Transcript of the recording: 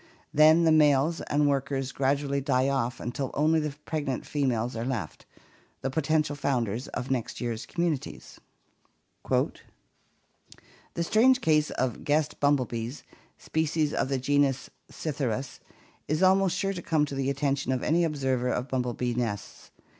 Then the males and workers gradually die off until only the pregnant females are left — the potential founders of next year's communities. "The strange case of the guest bumblebees, species of the genus Psitkyrus, is almost sure to come to the attention of any observer of bumblebee nests.